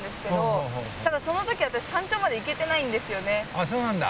あっそうなんだ。